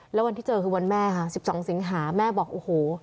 แล้ววันที่เจอคือวันแม่ค่ะ๑๒สิงหาแม่บอกโอ้โห